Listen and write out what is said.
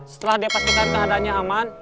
setelah dia pastikan keadaannya aman